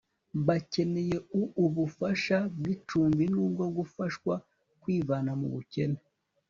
bakeneye uubufasha bw'icumbi n'ubwo gufashwa kwivana mu bukene